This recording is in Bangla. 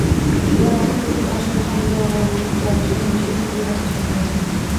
ইহারা এখানে প্রথম আসিলে সর্বজয়া বড়মানুষ জায়ের সঙ্গে মেশামেশি করিবার চেষ্টা পাইয়াছিল।